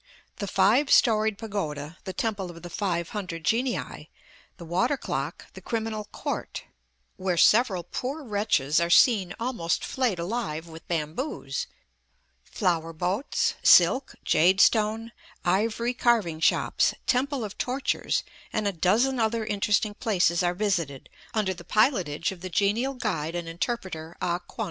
The five storied pagoda, the temple of the five hundred genii, the water clock, the criminal court where several poor wretches are seen almost flayed alive with bamboos flower boats, silk, jade stone, ivory carving shops, temple of tortures, and a dozen other interesting places are visited under the pilotage of the genial guide and interpreter Ah Kum.